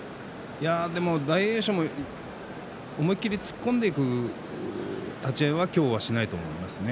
でも、大栄翔も思い切り突っ込んでいく立ち合いは今日はしないと思いますね。